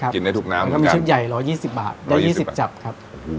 กินได้ทุกน้ำก็มีชุดใหญ่๑๒๐บาทได้๒๐จับครับ